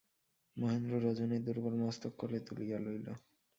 মহেন্দ্র রজনীর দুর্বল মস্তক কোলে তুলিয়া লইল।